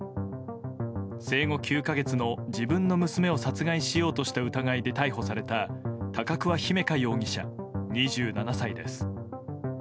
生後９か月の自分の娘を殺害しようとした疑いで逮捕された高桑姫華容疑者、２７歳です。